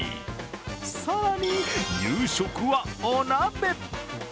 更に、夕食はお鍋。